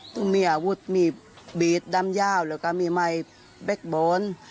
ทุกมีอาวุธมีบีดดำยาวก็มีไมค์เบ๊กบอล